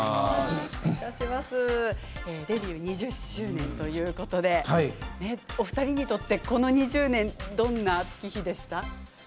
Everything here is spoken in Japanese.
デビュー２０周年ということでお二人にとって、この２０年どんな月日でした？